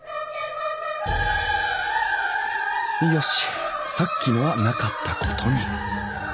よしさっきのはなかったことに。